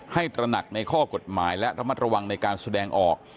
ตระหนักในข้อกฎหมายและระมัดระวังในการแสดงออก